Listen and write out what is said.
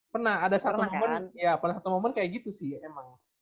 pernah ada satu momen kayak gitu sih emang